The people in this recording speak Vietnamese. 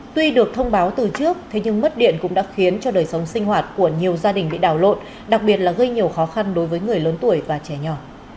tuy được thông báo từ trước thế nhưng mất điện cũng đã khiến cho đời sống sinh hoạt của nhiều gia đình bị đảo lộn đặc biệt là gây nhiều khó khăn đối với người lớn tuổi và trẻ nhỏ